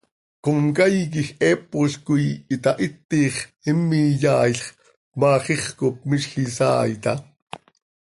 Comcaii quij heepol coi itahitix, him iyaailx, cmaax ix cop miizj isaai taa.